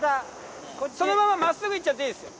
そのまままっすぐ行っちゃっていいですよ。